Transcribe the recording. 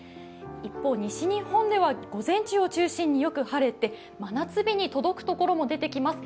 一方、西日本では午前中を中心によく晴れて真夏日に届くところも出てきます。